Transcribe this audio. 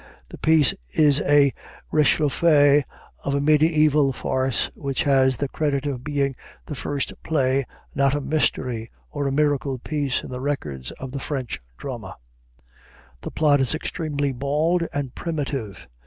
The piece is a réchauffé of a mediæval farce which has the credit of being the first play not a "mystery" or a miracle piece in the records of the French drama. The plot is extremely bald and primitive.